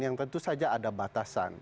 yang tentu saja ada batasan